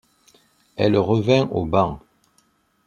Elle revint au banc.